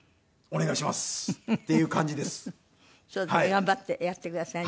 頑張ってやってください。